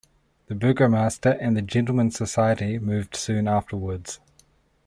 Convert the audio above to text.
The burgomaster and the Gentlemen's Society moved soon afterwards.